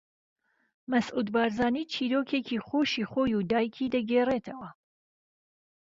مەسعود بارزانی چیرۆکێکی خۆشی خۆی و دایکی دەگێڕیتەوە